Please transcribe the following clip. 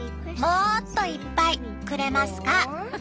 もっといっぱいくれますか？」。